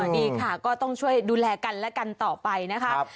ดีค่ะก็ต้องช่วยดูแลกันและกันต่อไปนะคะ